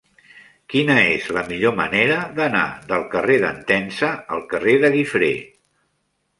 Quina és la millor manera d'anar del carrer d'Entença al carrer de Guifré?